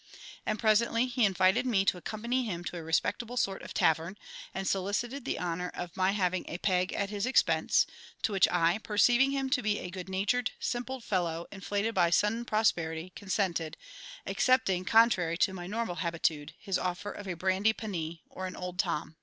And presently he invited me to accompany him to a respectable sort of tavern, and solicited the honour of my having a "peg" at his expense; to which I, perceiving him to be a good natured, simple fellow, inflated by sudden prosperity, consented, accepting, contrary to my normal habitude, his offer of a brandy panee, or an old Tom.